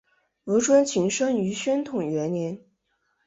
吴春晴生于宣统元年。